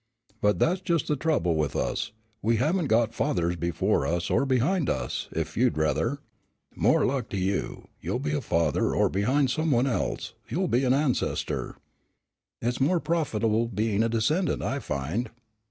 But that's just the trouble with us; we haven't got fathers before us or behind us, if you'd rather." "More luck to you, you'll be a father before or behind some one else; you'll be an ancestor." "It's more profitable being a descendant, I find."